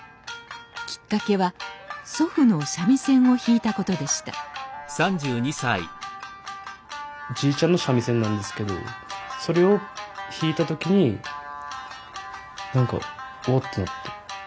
きっかけは祖父の三味線を弾いたことでしたじいちゃんの三味線なんですけどそれを弾いた時に何か「おっ」と思って。